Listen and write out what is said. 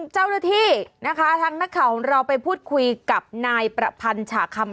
เจ้าหน้าที่นะคะทางนักข่าวของเราไปพูดคุยกับนายประพันธ์ฉากคำ